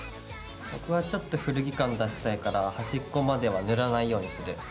僕はちょっと古着感出したいから端っこまでは塗らないようにする。